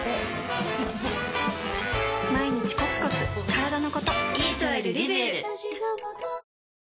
毎日コツコツからだのこと